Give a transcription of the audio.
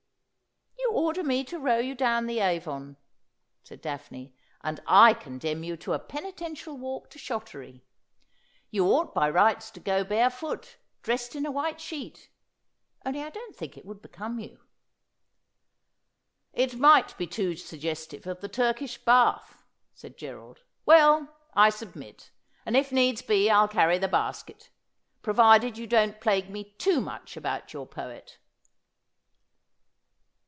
' You order me to row you down the Avon,' said Daphne, ' and I condemn you to a penitential walk to Shottery. You 150 Asphodel. ought by rights to go barefoot, dressed in a white sheet ; only I don't think it would become you.' ' It might be too suggestive of the Turkish bath,' said Gerald. ' Well, I submit, and if needs be I'll carry the basket, provided you don't plague me too much about your poet.'